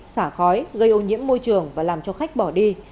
xả khói gây ô nhiễm môi trường và làm cho khách bỏ đi